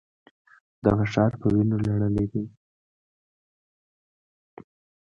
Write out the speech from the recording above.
دغه ښار په وینو لړلی دی.